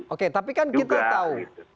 oke tapi kan kita tahu